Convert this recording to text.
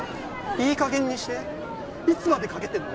いい加減にしていつまでかけてんの？